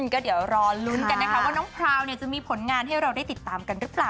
ก็เดี๋ยวรอลุ้นกันนะคะว่าน้องพราวจะมีผลงานให้เราได้ติดตามกันหรือเปล่า